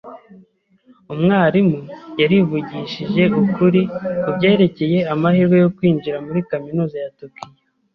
Umwarimu yarivugishije ukuri kubyerekeye amahirwe yo kwinjira muri kaminuza ya Tokiyo.